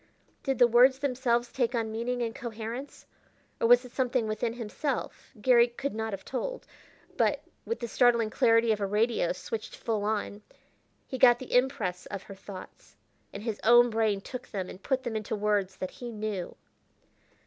Did the words themselves take on meaning and coherence, or was it something within himself? Garry could not have told. But, with the startling clarity of a radio switched full on, he got the impress of her thoughts, and his own brain took them and put them into words that he knew.